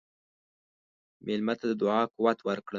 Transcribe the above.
مېلمه ته د دعا قوت ورکړه.